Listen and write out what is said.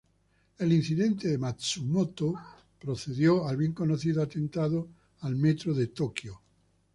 El incidente de Matsumoto precedió al bien conocido atentado al Metro de Tokio.